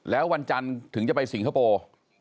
แล้ววันจันทร์ถึงจะไปสิงคโปร์